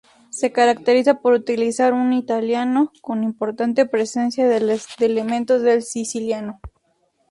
Se caracteriza por utilizar un italiano con importante presencia de elementos del siciliano.